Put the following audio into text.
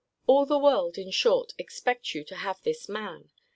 All the world, in short, expect you to have this man.